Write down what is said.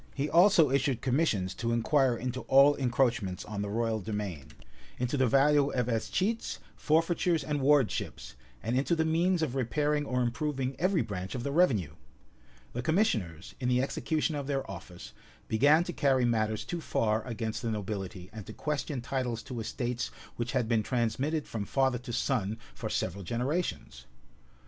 He also issued commissions to inquire into all encroachments on the royal demesne; into the value of escheats, forfeitures, and Wardships; and into the means of repairing or improving every branch of the revenue.[*] The commissioners, in the execution of their office, began to carry matters too far against the nobility, and to question titles to estates which had been transmitted from father to son for several generations.